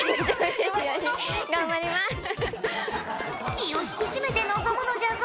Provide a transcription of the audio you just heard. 気を引き締めて臨むのじゃぞ！